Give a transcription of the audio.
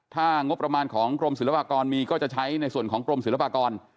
ถ้างบประมาณของกรมศิลปากรมีก็จะใช้ในส่วนของกรมศิลปากร